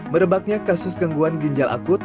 merebaknya kasus gangguan ginjal akut